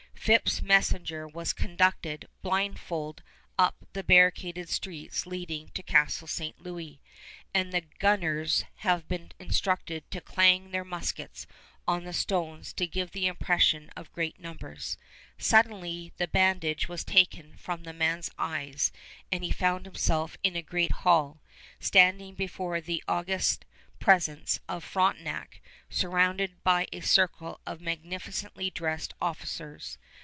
Phips' messenger was conducted blindfold up the barricaded streets leading to Castle St. Louis; and the gunners had been instructed to clang their muskets on the stones to give the impression of great numbers. Suddenly the bandage was taken from the man's eyes and he found himself in a great hall, standing before the august presence of Frontenac, surrounded by a circle of magnificently dressed officers.